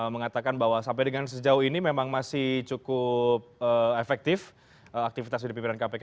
mengatakan bahwa sampai dengan sejauh ini memang masih cukup efektif aktivitas dari pimpinan kpk